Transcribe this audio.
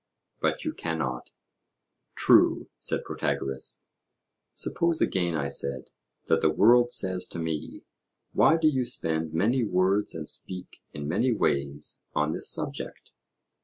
But you cannot.' True, said Protagoras. Suppose again, I said, that the world says to me: 'Why do you spend many words and speak in many ways on this subject?'